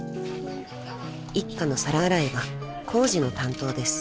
［一家の皿洗いはコウジの担当です］